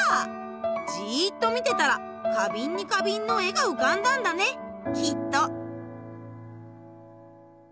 ジーッと見てたら花瓶に花瓶の絵がうかんだんだねきっと。